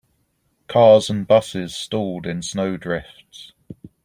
Cars and busses stalled in snow drifts.